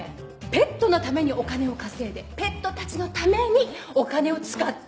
ペットのためにお金を稼いでペットたちのためにお金を使ってるの。